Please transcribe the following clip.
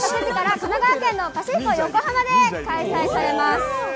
神奈川県のパシフィコ横浜で開催されます。